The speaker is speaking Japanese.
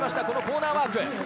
このコーナーワーク。